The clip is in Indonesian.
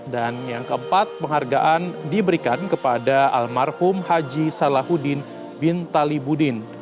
dan yang keempat penghargaan diberikan kepada almarhum haji salahudin bin talibudin